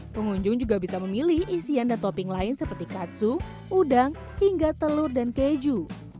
pengunjung juga bisa memilih isian dan topping lain seperti katsu udang hingga telur dan keju